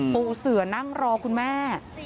ปูเสือนั่งรอคุณแม่